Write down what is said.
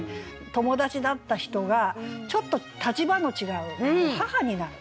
友達だった人がちょっと立場の違う母になる。